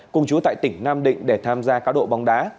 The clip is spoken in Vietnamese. cũng tại tỉnh nam định để tham gia cá độ bóng đá